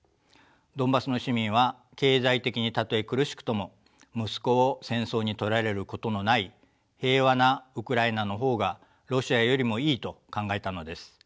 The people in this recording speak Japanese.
ドンバスの市民は経済的にたとえ苦しくとも息子を戦争にとられることのない平和なウクライナの方がロシアよりもいいと考えたのです。